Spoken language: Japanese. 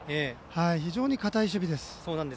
非常に堅い守備です。